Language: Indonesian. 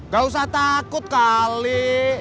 gak usah takut kali